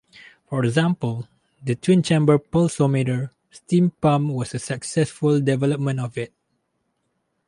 For example, the twin-chamber pulsometer steam pump was a successful development of it.